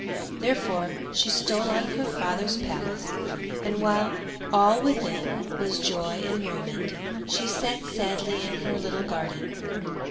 Therefore she stole out of her father's palace, and while all within was joy and merriment, she sat sadly in her little garden.